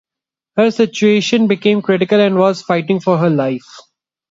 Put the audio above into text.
Her situation became critical and was fighting for her life.